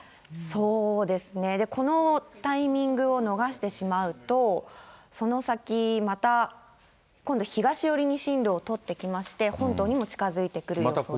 そうですね、このタイミングを逃してしまうと、その先また、今度東寄りに進路を取ってきまして、本島にも近づいてくる予想になってます。